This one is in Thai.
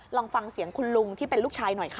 ลองฟังเสียงคุณลุงที่เป็นลูกชายหน่อยค่ะ